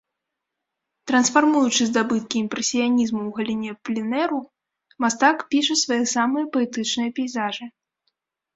Трансфармуючы здабыткі імпрэсіянізму ў галіне пленэру, мастак піша свае самыя паэтычныя пейзажы.